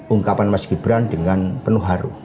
ungkapan mas gibran dengan penuh haru